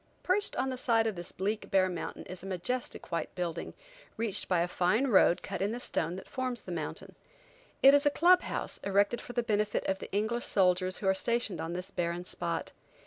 Perched on the side of this bleak, bare mountain is a majestic white building, reached by a fine road cut in the stone that forms the mountain. It is a club house, erected for the benefit of the English soldiers who are stationed on this barren spot.